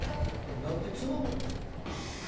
なんでつまむの？